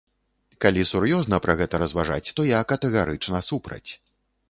Калі сур'ёзна пра гэта разважаць, то я катэгарычна супраць.